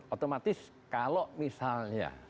otomatis kalau misalnya